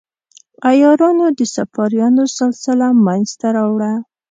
عیارانو د صفاریانو سلسله منځته راوړه.